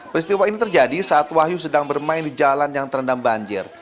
peristiwa ini terjadi saat wahyu sedang bermain di jalan yang terendam banjir